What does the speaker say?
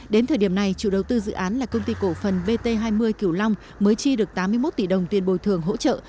đến thời điểm này chủ đầu tư dự án là công ty cổ phần bt hai mươi kiểu long mới chi được tám mươi một tỷ đồng tiền bồi thường hỗ trợ